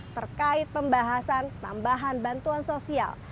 terkait pembahasan tambahan bantuan sosial